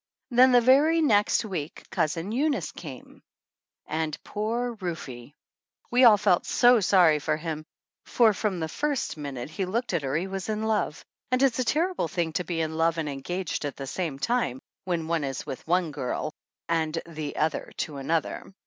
Then the very next week Cousin Eunice came ! 10 THE ANNALS OF ANN And poor Rufe ! We all felt so sorry for him, for, from the first minute he looked at her he was in love; and it's a terrible thing to be in love and engaged at the same time, when one is with one girl and the other to another!